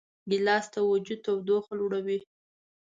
ګیلاس د وجود تودوخه لوړوي.